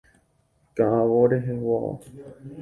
Ka'avo reheguáva.